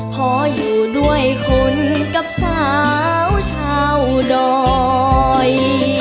ขออยู่ด้วยคนกับสาวชาวดอย